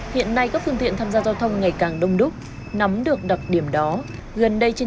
hiện nay các phương tiện tham gia giao thông ngày càng đông đúc nắm được đặc điểm đó gần đây trên